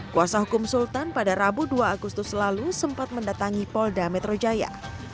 kuasa hukum sultan pada rabu dua agustus lalu sempat mendatangi polda metro jaya